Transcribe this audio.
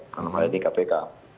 namanya di kpk